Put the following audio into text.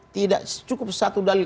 tidak cukup satu dalil